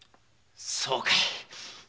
そうかい。